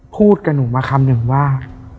พูดกับหนูมาคำหนึ่งว่า